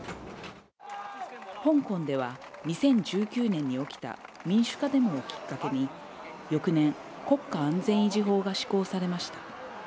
香港では２０１９年に起きた民主化デモをきっかけに、翌年、国家安全維持法が施行されました。